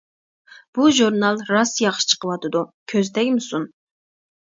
بۇ ژۇرنال راست ياخشى چىقىۋاتىدۇ، كۆز تەگمىسۇن!